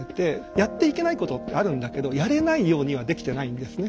やっていけないことってあるんだけどやれないようにはできてないんですね